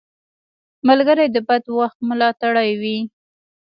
ملګری د بد وخت ملاتړی وي